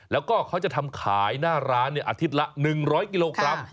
แล้วก็เขาจะทำขายหน้าร้านอาทิตย์ละ๑๐๐กิโลกรัม